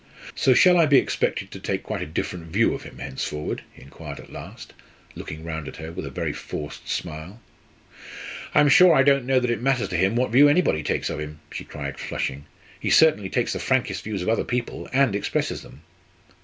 "So I shall be expected to take quite a different view of him henceforward?" he inquired at last, looking round at her, with a very forced smile. "I am sure I don't know that it matters to him what view anybody takes of him," she cried, flushing. "He certainly takes the frankest views of other people, and expresses them."